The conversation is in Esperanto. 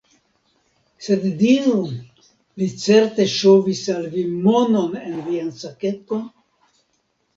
Sed diru, li certe ŝovis al vi monon en vian saketon?